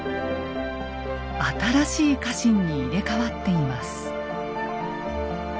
新しい家臣に入れ代わっています。